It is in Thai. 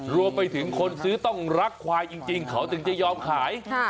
รวมไปถึงคนซื้อต้องรักควายจริงเขาถึงจะยอมขาย